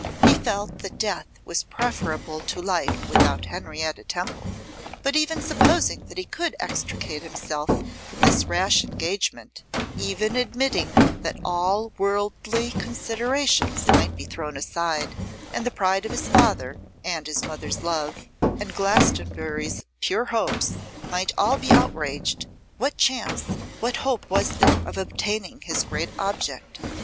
He felt that death was preferable to life without Henrietta Temple. But even supposing that he could extricate himself from his rash engagement; even admitting that all worldly considerations might be thrown aside, and the pride of his father, and his mother's love, and Glastonbury's pure hopes, might all be outraged; what chance, what hope was there of obtaining his great object?